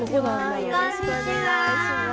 よろしくお願いします。